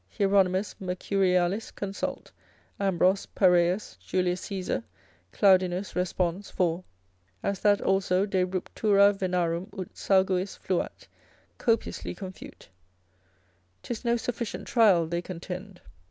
Hieronymus Mercurialis consult. Ambros. Pareus, Julius Caesar Claudinus Respons. 4. as that also de ruptura venarum ut sauguis fluat, copiously confute; 'tis no sufficient trial they contend.